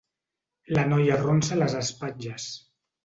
La noia arronsa les espatlles.